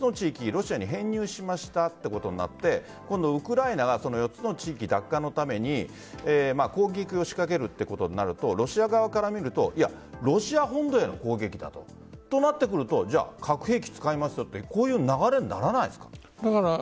ロシアに編入しましたということになってウクライナが４つの地域奪還のために攻撃を仕掛けるということになるとロシア側から見るとロシア本土への攻撃だと。となってくると核兵器を使いますという流れにならないですか？